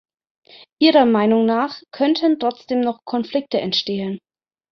Ihrer Meinung nach könnten trotzdem noch Konflikte entstehen.